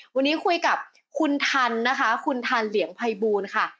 วันนี้คุยกับคุณทันนะคะคุณทันเหลียงภัยบูลค่ะ